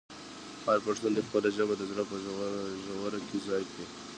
هر پښتون دې خپله ژبه د زړه په ژوره کې ځای کړي.